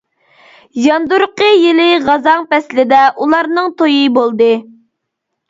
ياندۇرقى يىلى غازاڭ پەسلىدە ئۇلارنىڭ تويى بولدى.